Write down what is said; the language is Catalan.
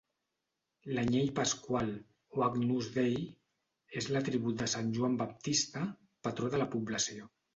L'anyell pasqual, o Agnus Dei, és l'atribut de sant Joan Baptista, patró de la població.